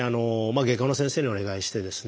外科の先生にお願いしてですね